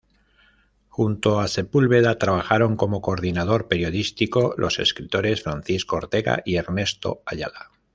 Junto a Sepúlveda trabajaron como Coordinador Periodístico, los escritores Francisco Ortega y Ernesto Ayala.